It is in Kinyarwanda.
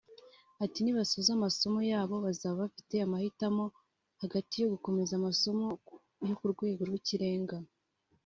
Ati “Nibasoza amasomo yabo bazaba bafite amahitamo hagati yo gukomeza amasomo yo ku rwego rw’ikirenga